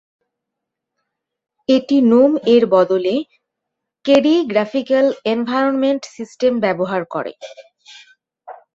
এটি নোম-এর বদলে কেডিই গ্রাফিক্যাল এনভায়রনমেন্ট সিস্টেম ব্যবহার করে।